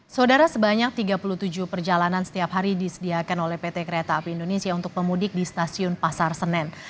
saudara sebanyak tiga puluh tujuh perjalanan setiap hari disediakan oleh pt kereta api indonesia untuk pemudik di stasiun pasar senen